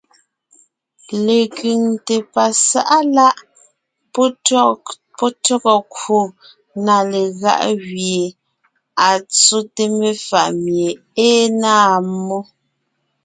Lekẅiŋte pasáʼa láʼ pɔ́ tÿɔgɔ kwò na legáʼ gẅie à tsóte mefàʼ mie é náa mmó,